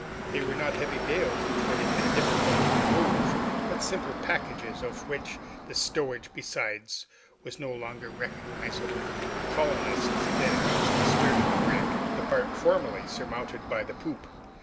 They were not heavy bales, which would have been difficult to remove, but simple packages, of which the stowage, besides, was no longer recognizable. The colonists then reached the stern of the brig the part formerly surmounted by the poop.